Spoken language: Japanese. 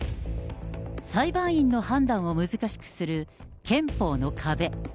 裁判員の判断を難しくする憲法の壁。